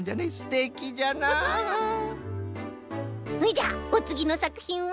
じゃあおつぎのさくひんは？